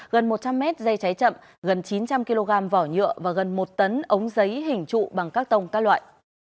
gần một trăm linh mét dây cháy chậm gần chín trăm linh kg vỏ nhựa và gần một tấn ống giấy hình trụ bằng các tông các loại